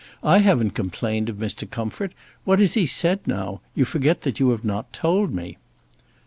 I haven't complained of Mr. Comfort. What has he said now? You forget that you have not told me."